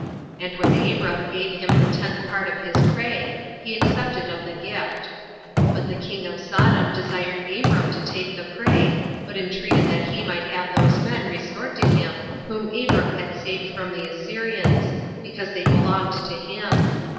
And when Abram gave him the tenth part of his prey, he accepted of the gift: but the king of Sodom desired Abram to take the prey, but entreated that he might have those men restored to him whom Abram had saved from the Assyrians, because they belonged to him.